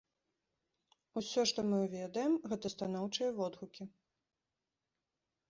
Усё, што мы ведаем, гэта станоўчыя водгукі.